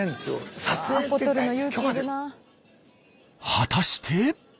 果たして。